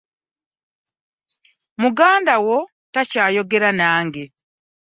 Muganda wo takyayogera nange.